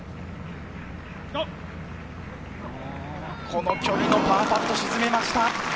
この距離のパーパットを沈めました。